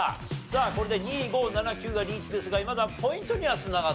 これで２５７９がリーチですがまだポイントには繋がっておりません。